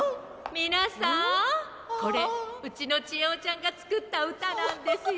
みなさんこれうちのちえおちゃんがつくったうたなんですよ。